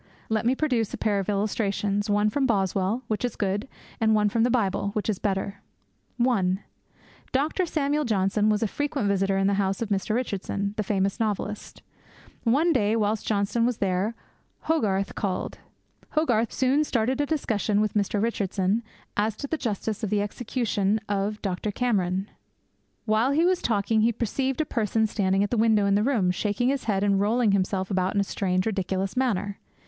Let me produce a pair of illustrations, one from Boswell, which is good; and one from the Bible, which is better. (1) Dr. Samuel Johnson was a frequent visitor at the house of Mr. Richardson, the famous novelist. One day, whilst Johnson was there, Hogarth called. Hogarth soon started a discussion with Mr. Richardson as to the justice of the execution of Dr. Cameron. 'While he was talking, he perceived a person standing at a window in the room, shaking his head, and rolling himself about in a strange, ridiculous manner.